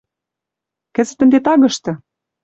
Кӹзӹт ӹнде тагышты-